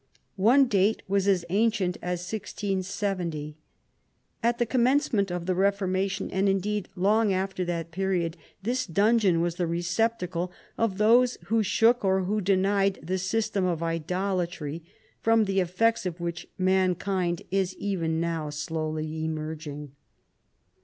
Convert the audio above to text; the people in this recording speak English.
One date was as ancient as 1 670. At the commencement of the Refor mation, and indeed long after that pe riod, this dungeon was the receptacle of those who shook, or who denied the systeA of idolatry, from the effects of which mankind is even now slowly emerging.